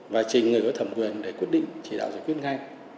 và trình người có thẩm quyền để quyết định chỉ đạo giải quyết ngay